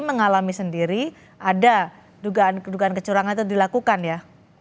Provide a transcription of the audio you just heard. mengalami sendiri ada dugaan dugaan kecurangan itu dilakukan ya